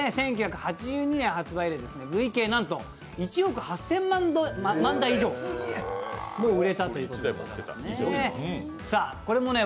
１９８２年発売で累計なんと１億８０００万台以上もすごい売れたということですね。